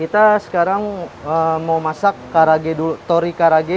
kita sekarang mau masak karage dulu tori karage